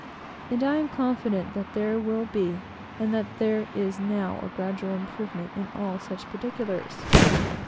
And I am confident that there will be, and that there is now a gradual improvement in all such particulars.